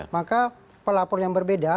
maka pelapor yang berbeda